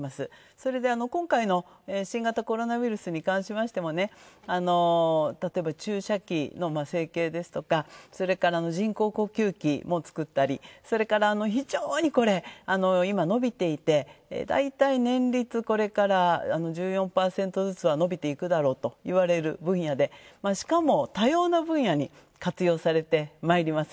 それで、今回の新型コロナウイルスに関しましても例えば、注射器の成形ですとかそれから人工呼吸器も作ったり、それから非常にこれは今、伸びていて大体年率これから１４％ずつは伸びていくだろうといわれる分野でしかも、多様な分野に活用されてまいります。